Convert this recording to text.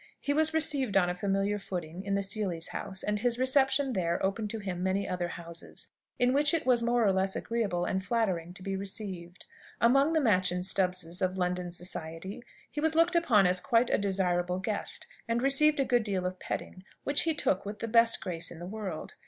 He was received on a familiar footing in the Seelys' house; and his reception there opened to him many other houses, in which it was more or less agreeable and flattering to be received. Among the Machyn Stubbses of London society he was looked upon as quite a desirable guest, and received a good deal of petting, which he took with the best grace in the world.